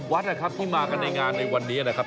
วัดนะครับที่มากันในงานในวันนี้นะครับ